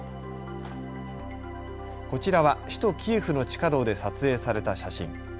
こちらは首都キエフの地下道で撮影された写真。